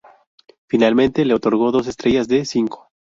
Finalmente, le otorgó dos estrellas de cinco.